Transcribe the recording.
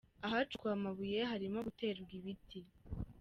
Ahacukuwe amabuye harimo guterwa ibiti